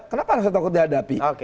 kenapa harus takut dihadapi